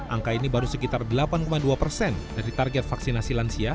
angka ini baru sekitar delapan dua persen dari target vaksinasi lansia